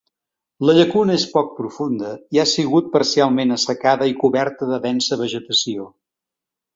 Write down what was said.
La llacuna és poc profunda i ha sigut parcialment assecada i coberta de densa vegetació.